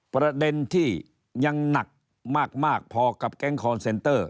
ประเด็นที่ยังหนักมากพอกับแก๊งคอนเซนเตอร์